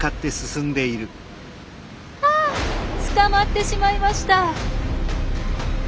あ！捕まってしまいました。